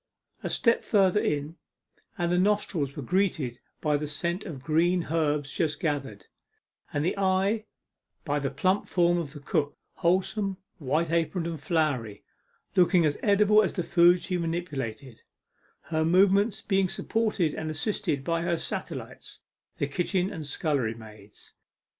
A step further in, and the nostrils were greeted by the scent of green herbs just gathered, and the eye by the plump form of the cook, wholesome, white aproned, and floury looking as edible as the food she manipulated her movements being supported and assisted by her satellites, the kitchen and scullery maids.